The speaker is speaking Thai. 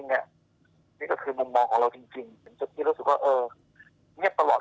อยากให้คนรับรู้ว่าข่าวที่ออกมาเนี่ยเขียนแรงเลย